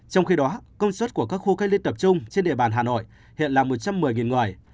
trong khi đó công suất của các khu cách ly tập trung trên địa bàn hà nội hiện là một trăm một mươi người